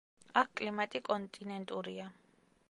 აქ კლიმატი კონტინენტურია.